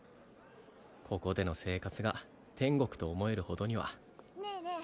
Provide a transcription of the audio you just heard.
ここでの生活が天国と思えるほどにはねえねえ